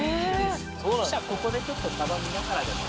じゃあここでちょっとサバ見ながらでも。